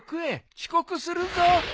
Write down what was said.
遅刻するぞ。